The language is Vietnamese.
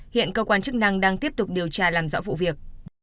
hiện cơ quan chức năng đang tiếp tục điều tra làm rõ vụ việc